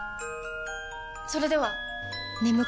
それでは！